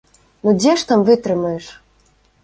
Ну дзе ж там вытрымаеш!